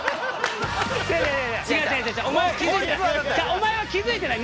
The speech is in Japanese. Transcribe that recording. お前は気づいてない。